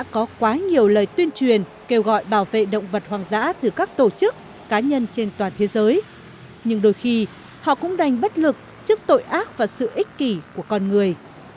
có quá nhiều lời tuyên truyền kêu gọi bảo vệ động vật hoang dã từ các tổ chức cá nhân trên toàn thế giới nhưng đôi khi họ cũng đành bất lực trước tội ác và sự ích kỷ của con người